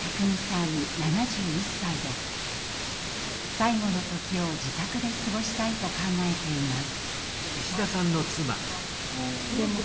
最期の時を自宅で過ごしたいと考えています。